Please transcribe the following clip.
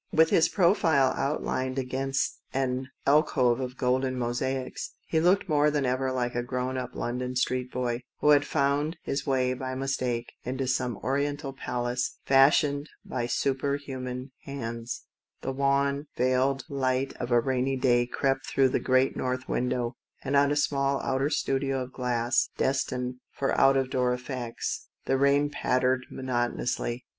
With his profile outlined against an alcove of golden mosaics, he looked more than ever like a grown up London street boy, who had found his way, by mistake, into some Oriental palace fashioned by super human hands. The wan, veiled light of a MART GOES OUT ON A WET DAT 193 rainy day crept through the great north wirittow, and on a small outer studio of glass — destined for out of door effects — the rain pat tered monotonously.